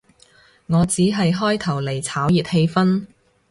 我只係開頭嚟炒熱氣氛